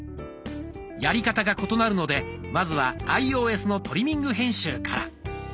やり方が異なるのでまずはアイオーエスのトリミング編集から。